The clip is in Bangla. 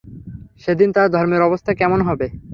সে দিন তার ধর্মের অবস্থা কেমন হবে?